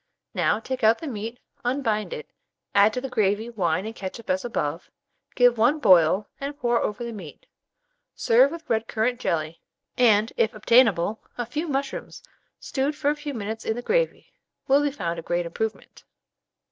Now take out the meat, unbind it, add to the gravy wine and ketchup as above, give one boil, and pour over the meat. Serve with red currant jelly; and, if obtainable, a few mushrooms stewed for a few minutes in the gravy, will be found a great improvement.